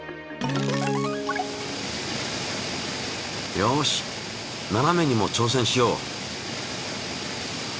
よしななめにも挑戦しよう！